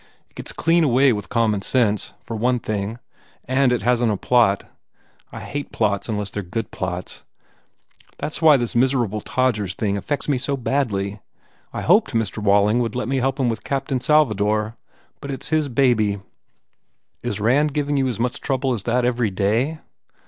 It gets clean away with common sense, for one thing. And it hasn t a plot. I hate plots unless they re good plots. That s why this miserable Todgers thing affects me so badly. I hoped Mr. Walling would let me help him with Captain Salvador. But it s his baby." "Is Rand giving you as much trouble as that every day?"